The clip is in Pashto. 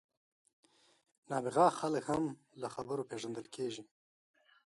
نابغه خلک هم له خبرو پېژندل کېږي.